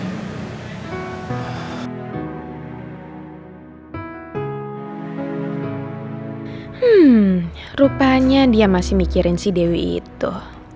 hmm rupanya dia masih mikirin si dewi itu